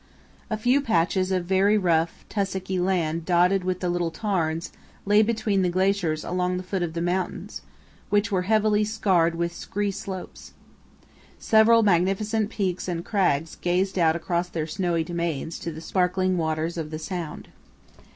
A few patches of very rough, tussocky land, dotted with little tarns, lay between the glaciers along the foot of the mountains, which were heavily scarred with scree slopes. Several magnificent peaks and crags gazed out across their snowy domains to the sparkling waters of the sound.